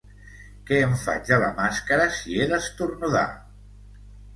Què en faig, de la màscara, si he d’esternudar?